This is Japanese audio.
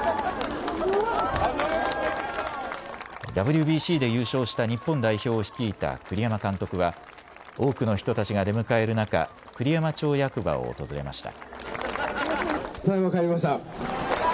ＷＢＣで優勝した日本代表を率いた栗山監督は多くの人たちが出迎える中、栗山町役場を訪れました。